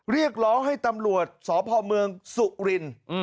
เรียกร้องให้ตำรวจสพมสุรินฯ